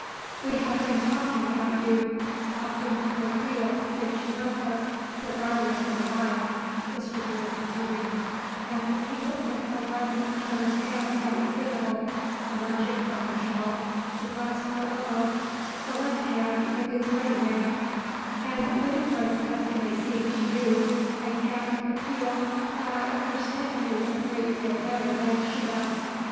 "We have been talking about you, talking a great deal, since you left us, your guardian and I," Mr. Drew continued, and he looked at the one of Karen's hands that was visible, emerging from the shawl to clasp her elbow, the left hand with its wedding ring, "and ludicrous as it may seem to you, I can't but feel that I understand you a great deal better than she does.